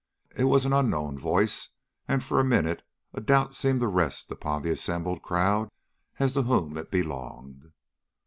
It was an unknown voice, and for a minute a doubt seemed to rest upon the assembled crowd as to whom it belonged.